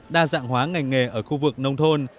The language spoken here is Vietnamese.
đa dạng hóa ngành nghề ở khu vực nông thôn